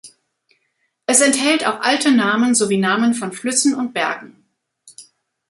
Es enthält auch alte Namen sowie Namen von Flüssen und Bergen.